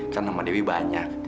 kan sama dewi banyak